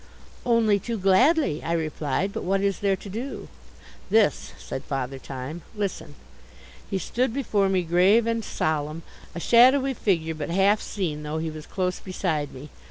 "Only too gladly," I replied. "But what is there to do?" "This," said Father Time, "listen." He stood before me grave and solemn, a shadowy figure but half seen though he was close beside me.